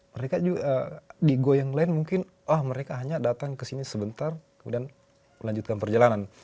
mereka juga di go yang lain mungkin ah mereka hanya datang ke sini sebentar kemudian melanjutkan perjalanan